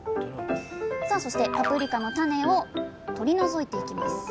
さあそしてパプリカの種を取り除いていきます。